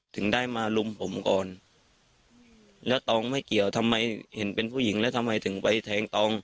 ถึงได้มาลุมผมก่อนแล้วตองไม่เกี่ยวทำไมเห็นเป็นผู้หญิงแล้วทำไมถึงไปแทงตอง